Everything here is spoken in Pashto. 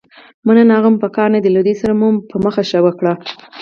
مننه، هغه مو په کار نه دي، له دوی سره مو مخه ښه وکړه.